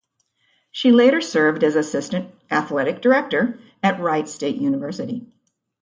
She later served as assistant athletic director at Wright State University.